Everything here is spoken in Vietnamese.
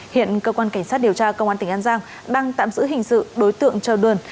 hiện cơ quan cảnh sát điều tra công an tỉnh an giang đang tạm giữ hình sự đối tượng trầu đườn